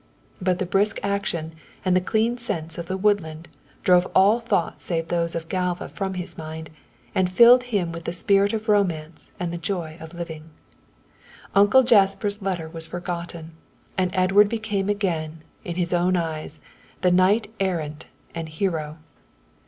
But the brisk action and the clean scents of the woodland drove all thoughts save those of Galva from his mind and filled him with the spirit of romance and the joy of living. Uncle Jasper's letter was forgotten and Edward became again, in his own eyes, the knight errant and hero.